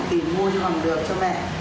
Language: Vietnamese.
tìm mua cho mẹ